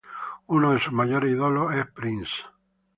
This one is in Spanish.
Unos de sus mayores ídolos es Prince.